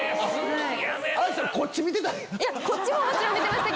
こっち見てた。